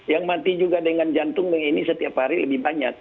yang mati juga dengan jantung ini setiap hari lebih banyak